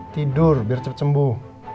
tidur biar cepet sembuh